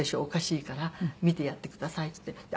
おかしいから見てやってください」って言って。